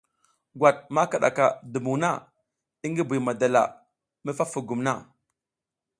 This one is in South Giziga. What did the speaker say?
Gwat ma kiɗaka dumbuŋ na i ngi Buy madala mi fa fugum na.